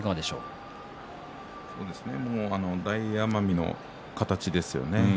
大奄美の形ですよね。